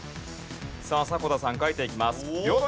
さあ迫田さん書いていきます。